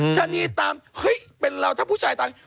ชะนีตามเฮ้ยเป็นเราถ้าผู้ชายตาม